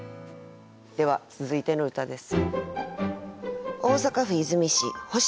では続いての歌です。